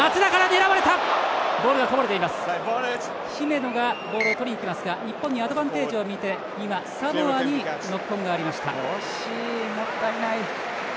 姫野がボールをとりにいきますが日本にアドバンテージを見て今、サモアに惜しい、もったいない。